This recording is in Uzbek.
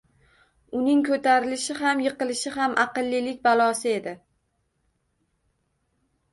Uning “ko’tarilishi” ham, “yiqilishi” ham aqllilik balosi edi.